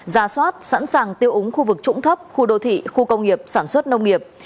ra soát sẵn sàng tiêu úng khu vực trũng thấp khu đô thị khu công nghiệp sản xuất nông nghiệp